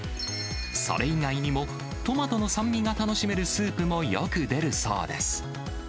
それ以外にも、トマトの酸味が楽しめるスープもよく出るそうです。